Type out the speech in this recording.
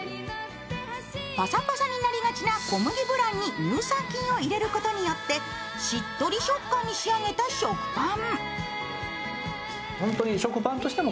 パサパサになりがちな小麦ブランに乳酸菌を入れることによって、しっとり食感に仕上げた食パン。